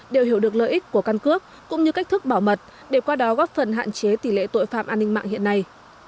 đều hiểu được lợi ích của căn cước cũng như cách thức bảo mật để qua đó góp phần hạn chế tỷ lệ tội phạm an ninh mạng hiện nay